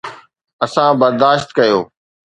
اسان برداشت ڪيو.